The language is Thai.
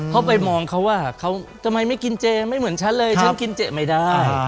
เขาไปมองเขาว่าเขาทำไมไม่กินเจไม่เหมือนฉันเลยฉันกินเจไม่ได้